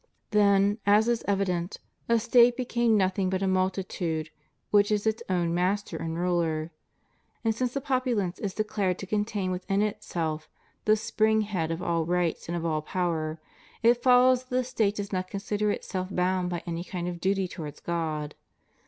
Thus, as is evident, a State becomes nothing but a multitude, which is its own master and ruler. And since the populace is declared to contain within itself CHRISTIAN CONSTITUTION OF STATES. 121 the spring head of all rights and of all power, it follows that the State does not consider itself bound by any kind of duty towards God.